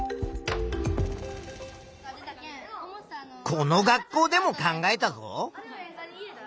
この学校でも考えたぞ。